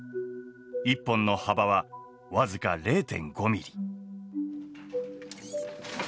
１本の幅は僅か０．５ミリ。